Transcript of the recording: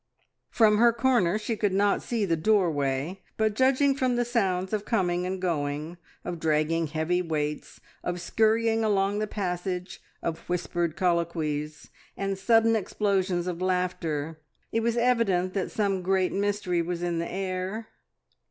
From her corner she could not see the doorway, but judging from the sounds of coming and going, of dragging heavy weights, of scurrying along the passage, of whispered colloquies, and sudden explosions of laughter, it was evident that some great mystery was in the air.